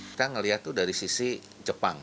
kita melihat tuh dari sisi jepang